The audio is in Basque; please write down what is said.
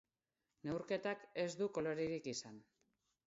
Neurketak ez du kolorerik izan.